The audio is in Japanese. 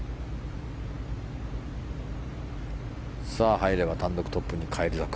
入れば単独トップに返り咲く。